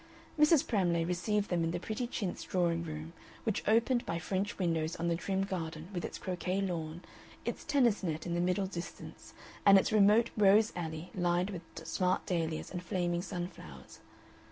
Mrs. Pramlay received them in the pretty chintz drawing room, which opened by French windows on the trim garden, with its croquet lawn, its tennis net in the middle distance, and its remote rose alley lined with smart dahlias and flaming sunflowers.